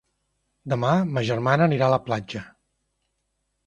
Demà ma germana anirà a la platja.